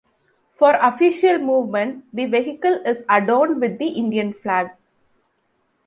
For official movement, the vehicle is adorned with the Indian flag.